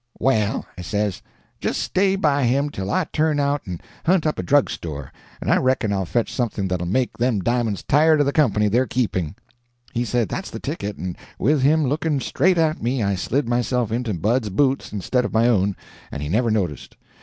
"'Well,' I says, 'just stay by him till I turn out and hunt up a drug store, and I reckon I'll fetch something that'll make them di'monds tired of the company they're keeping.' "He said that's the ticket, and with him looking straight at me I slid myself into Bud's boots instead of my own, and he never noticed.